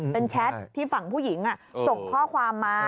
เป็นแชทที่ฝั่งผู้หญิงส่งข้อความมา